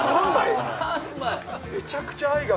めちゃくちゃ愛が。